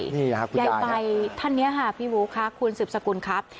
ใบท่านเนี่ยฮะพี่บู๊คคคุณสิบสกุลครับ